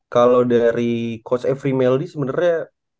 kalau dari coach every melody sebenarnya